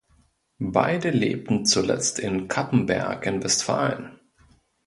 Beide lebten zuletzt in Cappenberg in Westfalen.